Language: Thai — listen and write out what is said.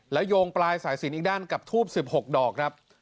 แล้วโยงปลายสายสินอีกด้านกับทูบ๑๖ดอกครับ